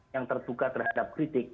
yang tertuka terhadap kritik